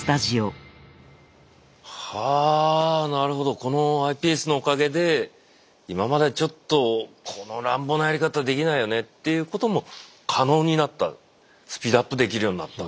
このｉＰＳのおかげで今までちょっとこの乱暴なやり方できないよねっていうことも可能になったスピードアップできるようになった。